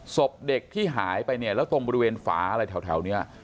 ศพเด็กที่หายไปเนี่ยแล้วตรงบริเวณฝาอะไรแถวนี้